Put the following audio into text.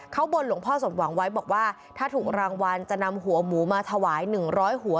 เขาบนหลวงพ่อสมหวังไว้บอกว่าถ้าถูกรางวัลจะนำหัวหมูมาถวาย๑๐๐หัว